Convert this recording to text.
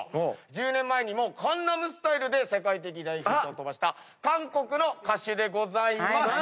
１０年前にも『江南スタイル』で世界的大ヒットを飛ばした韓国の歌手でございます。